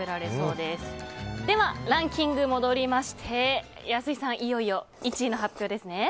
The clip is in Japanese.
ではランキング戻りまして安井さん、いよいよ１位の発表ですね。